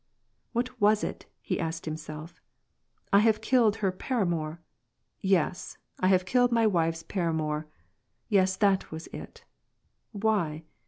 "What was it?" he asked himself. "I have killed her pnramour ! yes, I have killed my wife's paramour. Yes, that was it Why